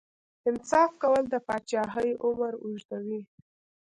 انصاف کول د پاچاهۍ عمر اوږدوي.